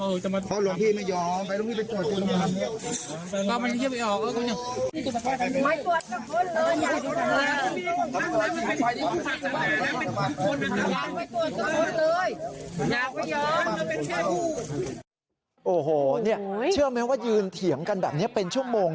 โอ้โหเชื่อมั้ยว่ายืนเถียงกันแบบนี้เป็นชั่วโมงนะ